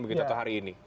mungkin contoh hari ini